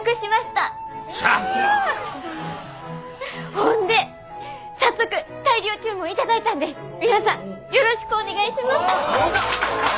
ほんで早速大量注文頂いたんで皆さんよろしくお願いします！